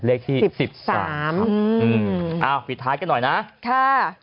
เลขที่๑๓ครับอ้าวปิดท้ายกันหน่อยนะค่ะ